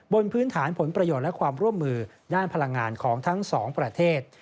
บนพื้นฐานผลประโยชน์และความร่วมมือด้านพลังงานของทั้งสองประเทศ